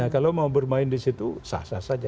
kalau mau bermain di situ sah sah saja